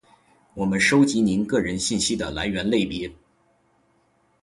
我们收集您个人信息的来源类别；